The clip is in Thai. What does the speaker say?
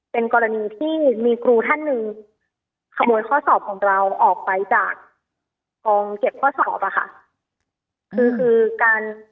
เป็นกรณีที่มีครูท่านหนึ่งขโมยข้อสอบของเราออกไปจากกองเก็บข้อสอบอะค่ะคือคือการ